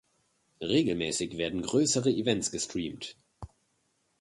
Regelmäßig werden größere Events gestreamt.